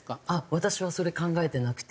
私はそれ考えてなくて。